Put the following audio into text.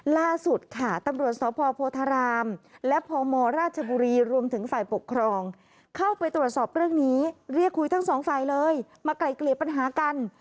ล่าสุดค่ะตำรวจสพโพธารามและพมราชบุรีรวมถึงฝ่ายปกครองเข้าไปตรวจสอบเรื่องนี้เรียกคุยทั้งสองฝ่ายเลยมาไกลเกลี่ยปัญหากัน